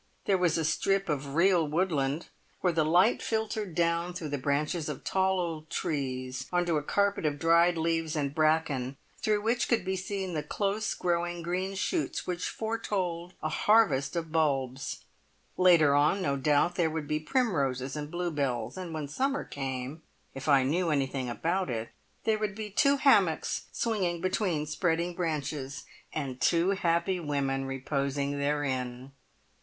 There was a strip of real woodland, where the light filtered down through the branches of tall old trees on to a carpet of dried leaves and bracken, through which could be seen the close growing green shoots which foretold a harvest of bulbs. Later on no doubt there would be primroses and bluebells, and when summer came, if I knew anything about it, there would be two hammocks swinging between spreading branches, and two happy women reposing therein.